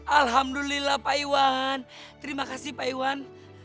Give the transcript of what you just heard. alhamdulillah pak iwan terima kasih pak iwan